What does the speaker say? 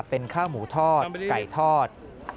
เป็นข้าวหมูทอดไก่ทอด